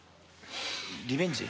リベンジ？